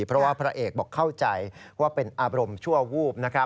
เพราะว่าพระเอกบอกเข้าใจว่าเป็นอารมณ์ชั่ววูบ